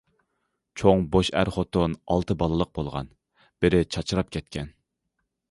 چوڭ بوش ئەر- خوتۇن ئالتە بالىلىق بولغان، بىرى چاچراپ كەتكەن.